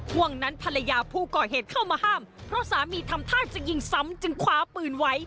ห่วงนั้นภรรยาผู้ก่อเหตุเข้ามาห้ามเพราะสามีทำท่าจะยิงซ้ำจึงคว้าปืนไว้